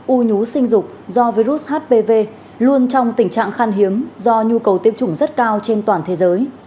u nhú sinh dục do virus hpv luôn trong tình trạng khan hiếm do nhu cầu tiêm chủng rất cao trên toàn thế giới